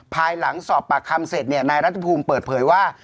ภายหลังสอบปากคำเสร็จเนี่ยนายรัฐภูมิเปิดเผยว่า